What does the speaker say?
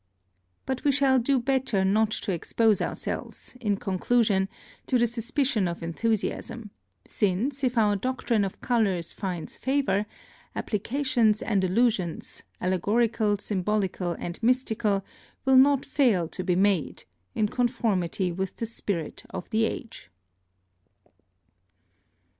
But we shall do better not to expose ourselves, in conclusion, to the suspicion of enthusiasm; since, if our doctrine of colours finds favour, applications and allusions, allegorical, symbolical, and mystical, will not fail to be made, in conformity with the spirit of the age.